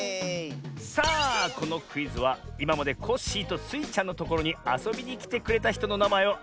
さあこのクイズはいままでコッシーとスイちゃんのところにあそびにきてくれたひとのなまえをあてるクイズだよ。